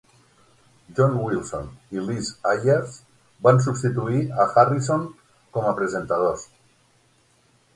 John Wilson i Liz Ayers van substituir a Harrison com a presentadors.